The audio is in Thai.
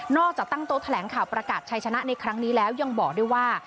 จากตั้งโต๊ะแถลงข่าวประกาศชัยชนะในครั้งนี้แล้วยังบอกด้วยว่า